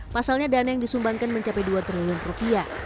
pasalnya dana yang disumbangkan mencapai dua triliun rupiah